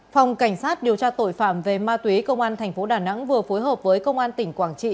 phòng cảnh sát điều tra tội phạm về ma túy công an thành phố đà nẵng vừa phối hợp với công an tỉnh quảng trị